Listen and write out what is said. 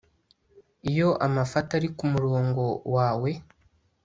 iyo amafi atari kumurongo wawe